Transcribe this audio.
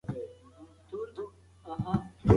سعید د خپل پلار خبره په پوره سر خوځولو سره ومنله.